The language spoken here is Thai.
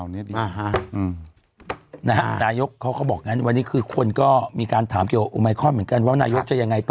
นายกเขาก็บอกงั้นวันนี้คือคนก็มีการถามเกี่ยวกับโอไมคอนเหมือนกันว่านายกจะยังไงต่อ